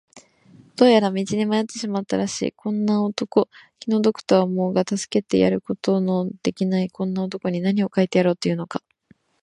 どうやら道に迷ってしまったらしいこんな男、気の毒とは思うが助けてやることのできないこんな男に、なにを書いてやろうというのか。